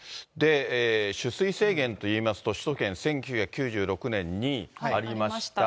取水制限といいますと、首都圏１９９６年にありました。